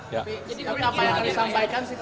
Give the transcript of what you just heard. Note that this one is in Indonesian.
jadi apa yang harus disampaikan sih pak